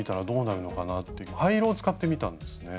灰色を使ってみたんですね。